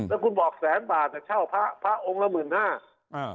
แล้วคุณบอกแสนบาทอ่ะเช่าพระพระองค์ละหมื่นห้าอ่า